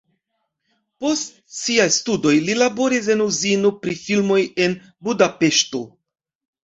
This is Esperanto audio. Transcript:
Post siaj studoj li laboris en uzino pri filmoj en Budapeŝto.